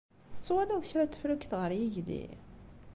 Tettwaliḍ kra n teflukt ɣer yigli?